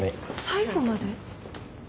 「最後まで」？